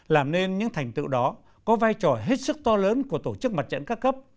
làm nên những thành tựu đó có vai trò hết sức to lớn của tổ chức mặt trận các cấp